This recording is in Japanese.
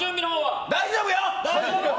大丈夫よ！